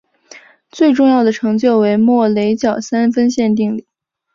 最重要的成就为莫雷角三分线定理。